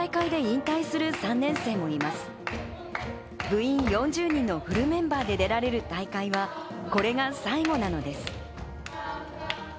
部員４０人のフルメンバーで出られる大会はこれが最後なのです。